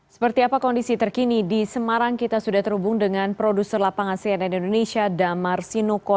seperti apa kondisi terkini di semarang kita sudah terhubung dengan produser lapangan cnn indonesia damar sinoko